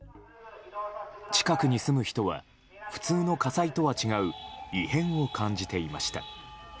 近くに住む人は普通の火災とは違う異変を感じていました。